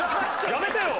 やめてよ！